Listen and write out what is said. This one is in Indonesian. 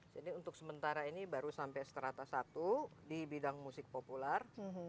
jadi untuk sementara ini baru sampai seterata satu di bidang musik populer